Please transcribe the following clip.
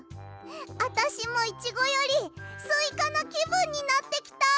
あたしもイチゴよりスイカなきぶんになってきた！